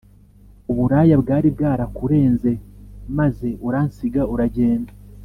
uburaya bwari bwarakurenze maze uransiga uragenda